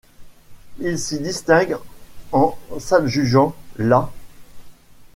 Il s'y distingue en s'adjugeant la '.